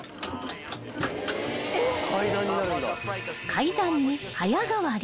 ［階段に早変わり］